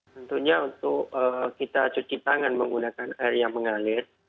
tentunya untuk kita cuci tangan menggunakan air yang mengalir